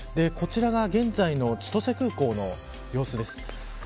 こちらが現在の千歳空港の様子です。